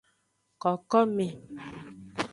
Kokome.